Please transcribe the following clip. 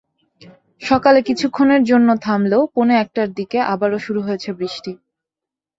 সকালে কিছুক্ষণের জন্য থামলেও পৌনে একটার দিকে আবারও শুরু হয়েছে বৃষ্টি।